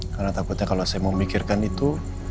karena takutnya kalau saya mau mikirkan itu